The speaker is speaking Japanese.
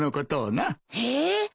へえ。